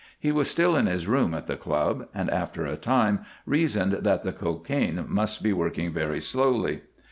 He was still in his room at the club, and after a time reasoned that the cocaine must be working very slowly.